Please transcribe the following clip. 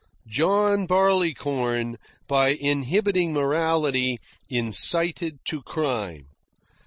John Barleycorn, by inhibiting morality, incited to crime.